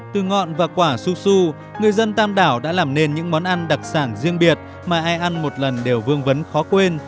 từ ngọn và quả su su người dân tam đảo đã làm nên những món ăn đặc sản riêng biệt mà ai ăn một lần đều vương vấn khó quên